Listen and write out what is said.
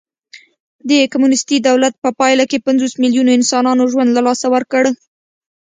د کمونېستي دولت په پایله کې پنځوس میلیونو انسانانو ژوند له لاسه ورکړ